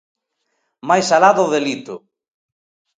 Máis alá do delito.